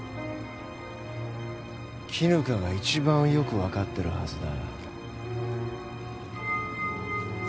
絹香が一番よくわかってるはずだ。